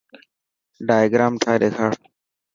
ڊائگرام ٺاهي ڏيکار.